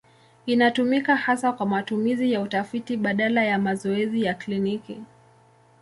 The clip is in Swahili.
Inatumika hasa kwa matumizi ya utafiti badala ya mazoezi ya kliniki.